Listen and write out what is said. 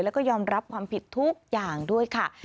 แล้วก็ยอมรับความผิดทุกอย่างด้วยค่ะ